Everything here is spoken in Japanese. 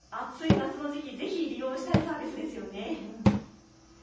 特にこの暑い夏の時期、ぜひ利用したいサービスですよね。